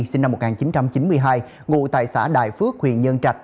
sinh năm một nghìn chín trăm chín mươi hai ngụ tại xã đại phước huyện nhân trạch